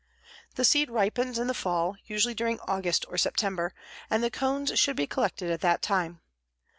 The seed ripens in the fall, usually during August or September, and the cones should be collected at that time.